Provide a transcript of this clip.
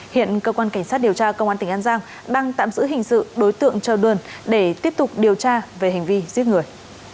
hiện cơ quan cảnh sát điều tra công an tỉnh an giang đang tạm giữ hình sự đối tượng trơ đun để tiếp tục điều tra về hành vi giết người